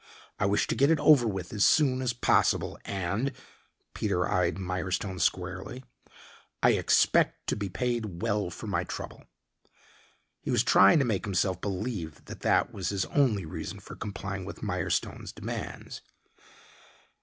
I wish to get it over with as soon as possible, and " Peter eyed Mirestone squarely. "I expect to be paid well for my trouble." He was trying to make himself believe that that was his only reason for complying with Mirestone's demands.